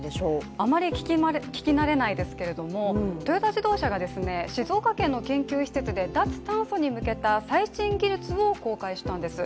あまり聞き慣れないですけれどもトヨタ自動車が静岡県の研究施設で脱炭素化に向けた最新技術を公開したんです。